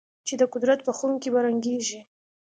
چې د قدرت په خُم کې به رنګېږي.